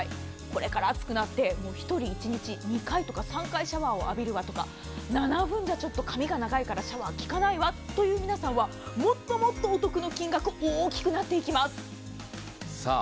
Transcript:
これから暑くなって１人１日２回とか３回シャワーを浴びるわとか７分じゃちょっと髪が長いからシャワーきかないわという皆さんはもっともっと金額大きくなっていきます。